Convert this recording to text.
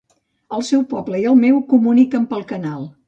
El seu poble i el meu comuniquen pel canal.